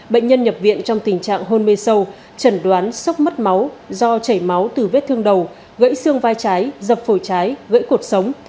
bệnh nhân nhập viện trong tình trạng hôn mê sâu trần đoán sốc mất máu do chảy máu từ vết thương đầu gãy xương vai trái dập phổi trái gãy cột sống